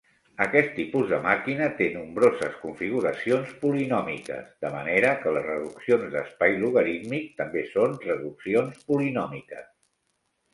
Aquest tipus de màquina té nombroses configuracions polinòmiques, de manera que les reduccions d'espai logarítmic també són reduccions polinòmiques.